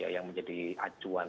yang menjadi acuan